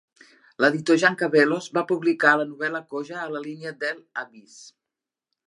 L'editor Jeanne Cavelos va publicar la novel·la Koja a la línia Dell Abyss.